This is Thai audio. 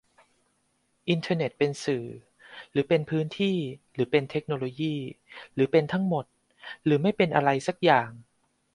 อินเทอร์เน็ตเป็นสื่อ หรือเป็นพื้นที่ หรือเป็นเทคโนโลยี หรือเป็นทั้งหมด หรือไม่เป็นอะไรสักอย่าง ?